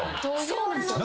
そうなんですよ！